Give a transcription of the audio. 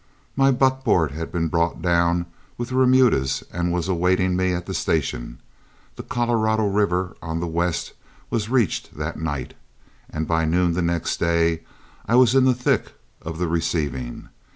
My buckboard had been brought down with the remudas and was awaiting me at the station, the Colorado River on the west was reached that night, and by noon the next day I was in the thick of the receiving.